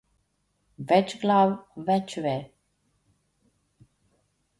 Več glav več ve.